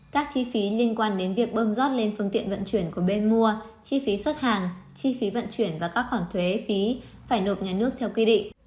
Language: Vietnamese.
các chi phí liên quan đến việc bơm giót lên phương tiện vận chuyển của bên mua chi phí xuất hàng chi phí vận chuyển và các khoản thuế phí phải nộp nhà nước theo quy định